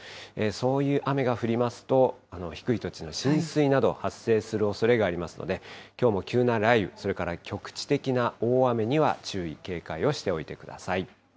そういう雨が降りますと、低い土地の浸水など、発生するおそれがありますので、きょうも急な雷雨、それから局地的な大雨には注意、警戒をしておいてください。